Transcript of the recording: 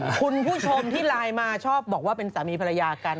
คุณผู้ชมที่ไลน์มาชอบบอกว่าเป็นสามีภรรยากัน